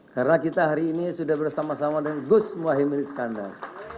karena kita hari ini sudah bersama sama dengan gus muhaymin iskandar